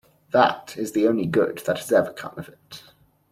That is the only good that has ever come of it.